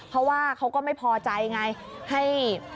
เพราะว่าเขาก็ไม่พอใจไงให้